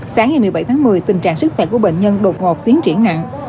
sáng ngày một mươi bảy tháng một mươi tình trạng sức khỏe của bệnh nhân đột ngột tiến triển nặng